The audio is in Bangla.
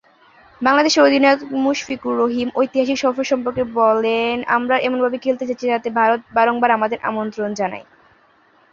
বাংলাদেশের অধিনায়ক মুশফিকুর রহিম ঐতিহাসিক সফর প্রসঙ্গে বলেন, ‘আমরা এমনভাবে খেলতে যাচ্ছি যাতে ভারত বারংবার আমাদেরকে আমন্ত্রণ জানায়।